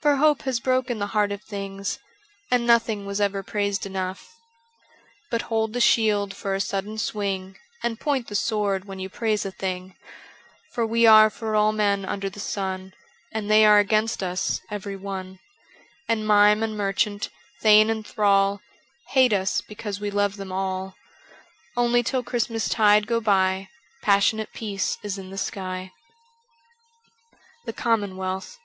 For hope has broken the heart of things, And nothing was ever praised enough. 397 (But hold the shield for a sudden swing And point the sword when you praise a thing, For we are for all men under the sun, And they are against us every one, And mime and merchant, thane and thrall Hate us because we love them all, Only till Christmastide go by Passionate peace is in the sky). ' The Commomveahh.